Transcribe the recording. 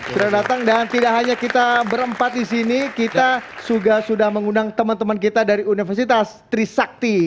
sudah datang dan tidak hanya kita berempat di sini kita sudah mengundang teman teman kita dari universitas trisakti